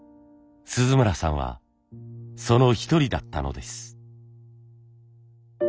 鈴村さんはその一人だったのです。